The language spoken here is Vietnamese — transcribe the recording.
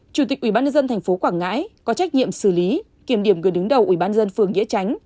chủ tịch ủy ban dân tp quảng ngãi có trách nhiệm xử lý kiểm điểm gửi đứng đầu ủy ban dân phường nghĩa tránh